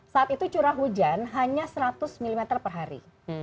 saat itu curah hujan hanya seratus mm per hari